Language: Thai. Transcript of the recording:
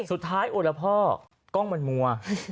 สุดท้ายโอละพ่อกล้องมันมัว